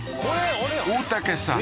大竹さん